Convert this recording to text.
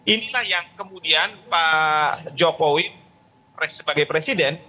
inilah yang kemudian pak jokowi sebagai presiden